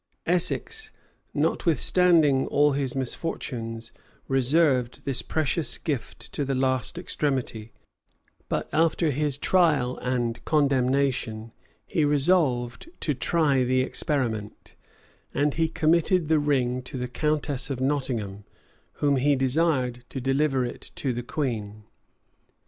Essex, notwithstanding all his misfortunes, reserved this precious gift to the last extremity; but after his trial and condemnation, he resolved to try the experiment, and he committed the ring to the countess of Nottingham, whom he desired to deliver it to the queen.